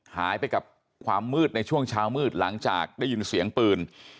หายไปกับความมืดในช่วงเช้ามืดหลังจากได้ยินเสียงปืน